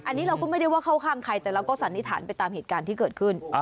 อันนี้เราก็ไม่ได้ว่าเข้าข้างใครแต่เราก็สันนิษฐานไปตามเหตุการณ์ที่เกิดขึ้น